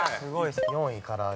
４位からあげ。